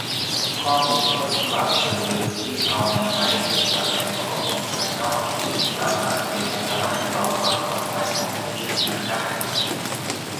ข้อมูลต้นฉบับเชิงลึกที่เอามาใช้จากแหล่งข้อมูลภายนอก สามารถเป็นอันตรายต่อความปลอดภัยของผู้ใช้งานได้